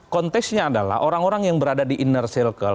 konteksnya adalah orang orang yang berada di inner circle